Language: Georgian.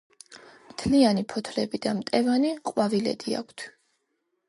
მთლიანი ფოთლები და მტევანი ყვავილედი აქვთ.